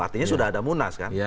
artinya sudah ada munas kan